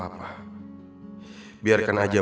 biar dilihat saja use namanya untuk heto ayolah